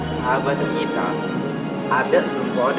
persahabatan kita ada sebelum kode